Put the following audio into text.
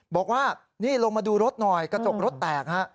บอกว่านี่ลงมาดูรถหน่อยกระจกรถแตกฮะ